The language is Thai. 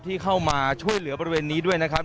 ที่เข้ามาช่วยเหลือบริเวณนี้ด้วยนะครับ